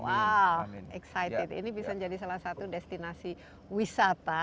wow excited ini bisa jadi salah satu destinasi wisata